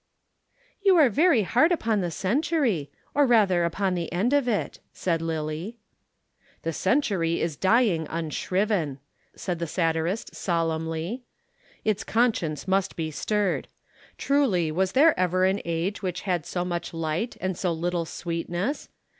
"You are very hard upon the century or rather upon the end of it," said Lillie. "The century is dying unshriven," said the satirist solemnly. "Its conscience must be stirred. Truly, was there ever an age which had so much light and so little sweetness?